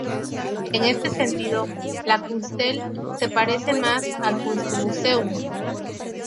En este sentido, la Kunsthalle se parece más al "Kunstmuseum".